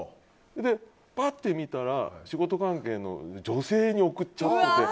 パッて見たら仕事関係の女性に送っちゃってて。